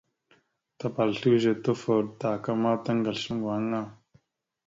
Tapala slʉze, tufoɗ, taka ma tagasl shʉŋgo aŋa.